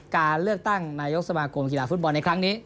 การเลือกตั้งนายกสมาคมกีฬาฟุตบอลในครั้งนี้